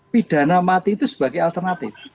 pidana mati itu sebagai alternatif